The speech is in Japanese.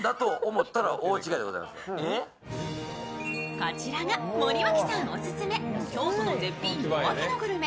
こちらが森脇さんオススメ京都の絶品「夜明けのグルメ」